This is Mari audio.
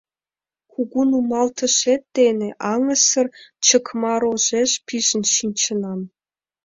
Кугу нумалтышет дене аҥысыр чыкма рожеш пижын шинчынам.